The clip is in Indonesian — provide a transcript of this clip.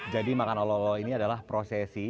jadi makan olok olok ini adalah prosesi